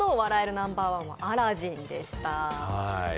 ナンバーワンは「アラジン」でした。